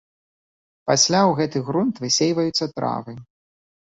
Пасля ў гэты грунт высейваюцца травы.